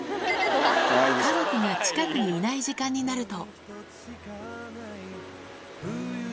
家族が近くにいない時間になると。